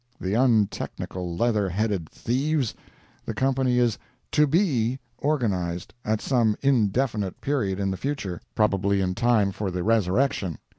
—the untechnical, leather headed thieves! The company is "TO BE" organized—at some indefinite period in the future probably in time for the resurrection.